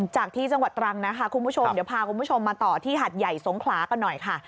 จากที่จังหวัดตรังนะคะคุณผู้ชมเดี๋ยวพาคุณผู้ชมมาต่อที่หัดใหญ่สงขลากันหน่อยค่ะ